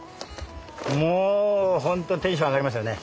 もうほんとテンション上がりますよね。